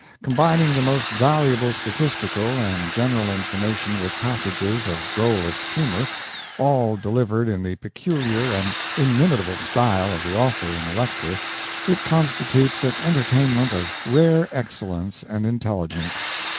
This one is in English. Combining the most valuable statistical and general information with passages of drollest humor, all delivered in the peculiar and inimitable style of the author in the lecture, it constitutes an entertainment of rare excellence and intelligence.